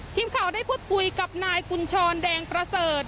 ทีมข่าวได้พูดคุยกับนายกุญชรแดงประเสริฐ